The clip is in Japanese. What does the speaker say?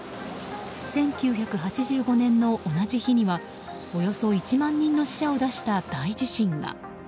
１９８５年の同じ日にはおよそ１万人の死者を出した大地震が。